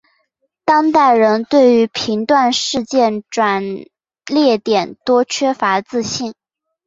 当代人对于评断事件转捩点多缺乏自信。